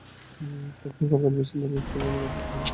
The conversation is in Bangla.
তিনি কলকাতা বিশ্ববিদ্যালয়ের ফেলো নির্বাচিত হন।